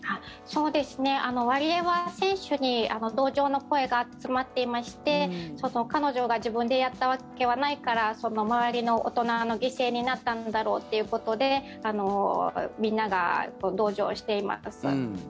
ワリエワ選手に同情の声が集まっていまして彼女が自分でやったわけはないから周りの大人の犠牲になったんだろうっていうことでみんなが同情しています。